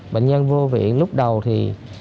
bệnh nhân vô viện lúc đầu thì